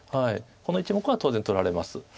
この１目は当然取られます。